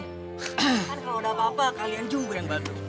kan kalau udah apa apa kalian juga yang bantu